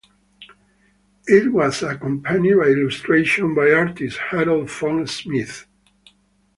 It was accompanied by illustrations by the artist Harold von Schmidt.